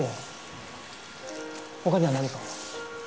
他には何か？